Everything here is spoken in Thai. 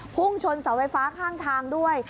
พุ่งชนเสาไฟฟ้าข้างทางด้วย